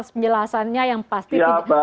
penjelasannya yang pasti